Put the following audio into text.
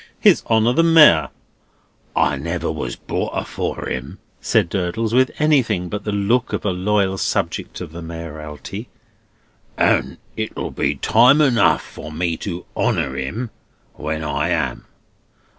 "His Honour the Mayor." "I never was brought afore him," said Durdles, with anything but the look of a loyal subject of the mayoralty, "and it'll be time enough for me to Honour him when I am.